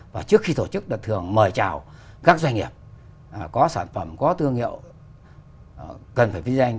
và trước khi tổ chức thường mời trào các doanh nghiệp có sản phẩm có thương hiệu cần phải vi danh